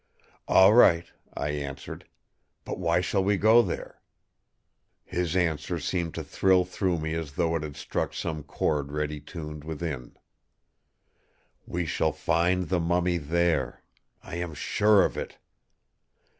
"'All right!" I answered. "But why shall we go there?' His answer seemed to thrill through me as though it had struck some chord ready tuned within: "'We shall find the mummy there! I am sure of it!